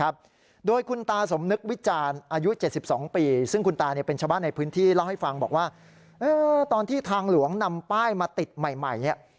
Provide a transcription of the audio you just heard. ผมนึกวิจารณ์อายุเจ็ดสิบสองปีซึ่งคุณตาเนี่ยเป็นชาวบ้านในพื้นที่เล่าให้ฟังบอกว่าเออตอนที่ทางหลวงนำป้ายมาติดใหม่ใหม่เนี้ย